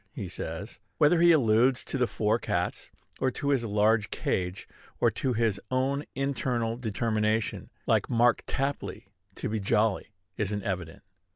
he says. Whether he alludes to the four cats, or to his large cage, or to his own internal determination, like Mark Tapley, to be jolly, isn't evident.